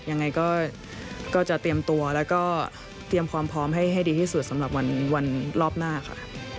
ยังไงก็จะเตรียมตัวแล้วก็เตรียมความพร้อมให้ดีที่สุดสำหรับวันรอบหน้าค่ะ